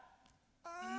うん。